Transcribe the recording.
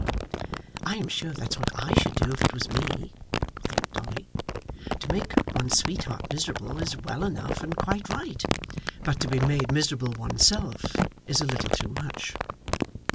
'I am sure that's what I should do if it was me,' thought Dolly. 'To make one's sweetheart miserable is well enough and quite right, but to be made miserable one's self is a little too much!